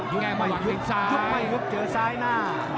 ยุบมาอยุบเจอซ้ายหน้า